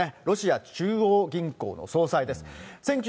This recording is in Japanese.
ロシア中央銀行の総裁です。